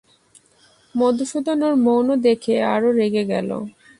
মধুসূদন ওর মৌন দেখে আরো রেগে গেল।